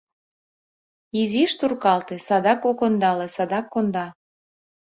Изиш туркалте, садак ок ондале, садак конда».